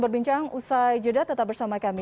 berbincang usai jeda tetap bersama kami